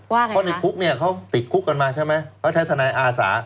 เพราะในคุกเนี่ยเขาติดคุกกันมาใช่ไหมเขาใช้ทนายอาสา